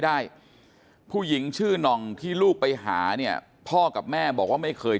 ได้ผู้หญิงชื่อน่องที่ลูกไปหาเนี่ยพ่อกับแม่บอกว่าไม่เคย